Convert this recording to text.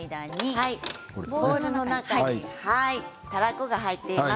ボウルの中にたらこが入っています。